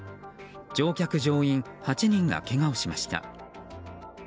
乗客・乗員８人がけがをしました。